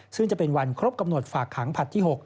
ซึ่งจะเป็นวันครบกำหนดฝากขังผลัดที่๖